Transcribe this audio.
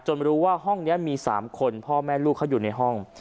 รู้ว่าห้องนี้มี๓คนพ่อแม่ลูกเขาอยู่ในห้อง